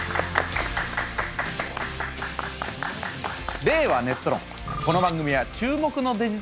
「令和ネット論」。